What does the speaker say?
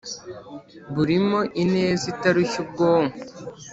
burimo ineza itarushya ubwonko